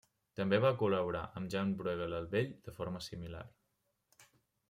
També va col·laborar amb Jan Brueghel el Vell de forma similar.